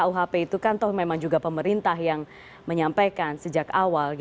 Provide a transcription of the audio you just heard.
rkuhp itu kan memang pemerintah yang menyampaikan sejak awal